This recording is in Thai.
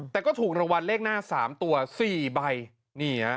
แต่ก็ถูกรังวัลเลขหน้า๓ตัว๔ใบ